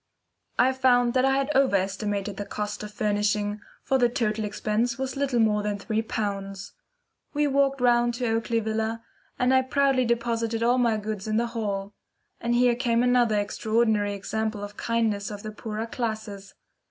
I found that I had over estimated the cost of furnishing, for the total expense was little more than three pounds. We walked round to Oakley Villa, and I proudly deposited all my goods in the hall. And here came another extraordinary example of the kindness of the poorer classes.